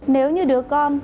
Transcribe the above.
nếu như đứa con